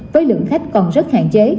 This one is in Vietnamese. với lượng khách còn rất hạn chế